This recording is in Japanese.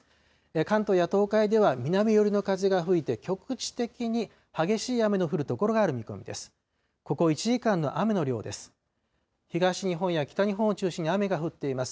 関東や東海では南寄りの風が吹いて局地的に激しい雨の降る所がある見込みです。